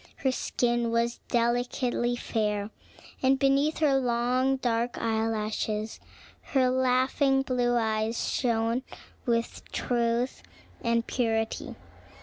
Her skin was delicately fair, and beneath her long dark eye lashes her laughing blue eyes shone with truth and purity.